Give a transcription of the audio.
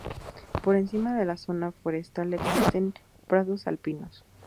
Por encima de la zona forestal existen prados alpinos.